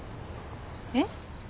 えっ？